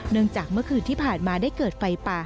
จากเมื่อคืนที่ผ่านมาได้เกิดไฟป่า